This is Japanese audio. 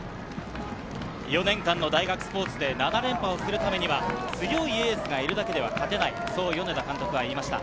４年間の大学スポーツで７連覇をするためには、強いエースがいるだけでは勝てない、そう米田監督は言いました。